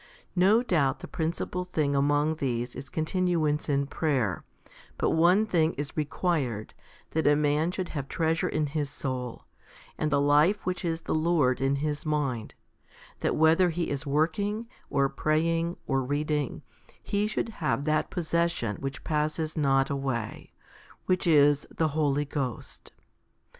No doubt the principal thing among these is continuance in prayer; but one thing is required, that a man should have treasure in his soul, and the life which is the Lord in his mind that whether he is working, or praying, or read ing, he should have that possession which passes not away, which is the Holy Ghost.